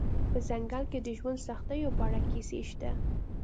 په ځنګل کې د ژوند سختیو په اړه کیسې شته